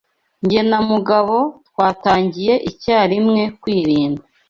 Jye na Mugabo twatangiye icyarimwe kwirinda.